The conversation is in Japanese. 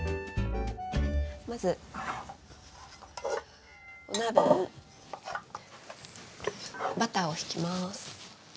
まずお鍋にバターをひきます。